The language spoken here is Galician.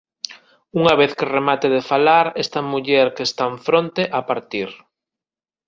Unha vez que remate de falar, esta muller que está enfronte ha partir.